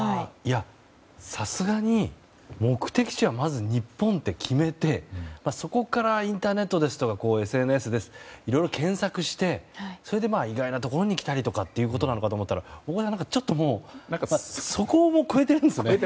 さすがに目的地はまず日本って決めてそこからインターネットですとかＳＮＳでいろいろ検索してそれで意外なところに来たりとかっていうことなのかと思ったらそこも超えてるんですね。